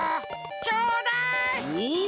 ちょうだい！おい。